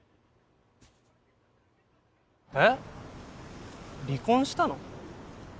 えっ⁉離婚したの？